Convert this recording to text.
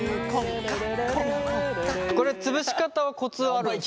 これつぶし方はコツあるんですか？